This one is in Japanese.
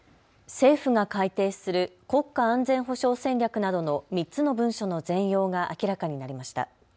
政府が改定する国家安全保障戦略などの３つの文書の全容が明らかになりました。